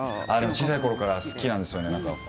小さいころから好きなんですよね